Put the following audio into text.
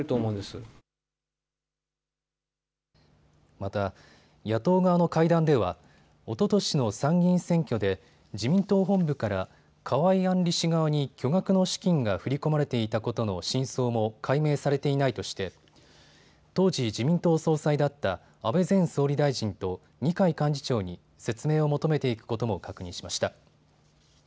また野党側の会談ではおととしの参議院選挙で自民党本部から河井案里氏側に巨額の資金が振り込まれていたことの真相も解明されていないとして当時、自民党総裁だった安倍前総理大臣と二階幹事長に説明を求めていくことも確認しました。